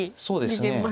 そうですね。